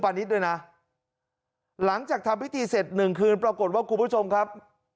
นิดด้วยนะหลังจากทำพิธีเสร็จหนึ่งคืนปรากฏว่าคุณผู้ชมครับ